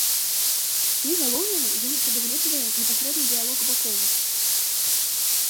І, галоўнае, ён прадугледжвае непасрэдны дыялог бакоў.